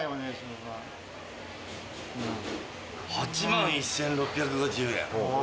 ８万１，６５０円。